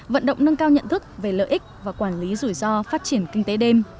vận động nâng cao nhận thức về lợi ích và quản lý rủi ro phát triển kinh tế đêm